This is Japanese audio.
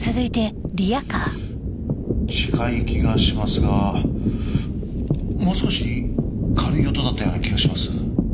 「」近い気がしますがもう少し軽い音だったような気がします。